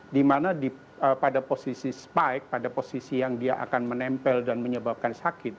dimana pada posisi spike pada posisi yang dia akan menempel dan menyebabkan sakit